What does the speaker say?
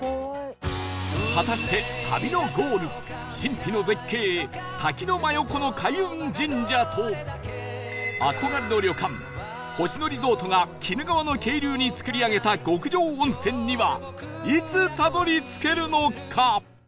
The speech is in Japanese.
果たして旅のゴール神秘の絶景滝の真横の開運神社と憧れの旅館星野リゾートが鬼怒川の渓流に作り上げた極上温泉にはいつたどり着けるのか？